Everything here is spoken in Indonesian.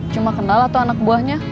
cuma kenal atau anak buahnya